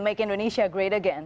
make indonesia great again